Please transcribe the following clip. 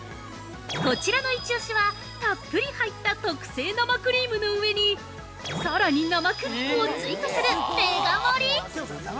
こちらのイチオシは、たっぷり入った特製生クリームの上にさらに生クリームを追加するメガ盛り！